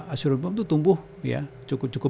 asuransi umum itu tumbuh ya cukup cukup